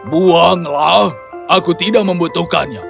buanglah aku tidak membutuhkannya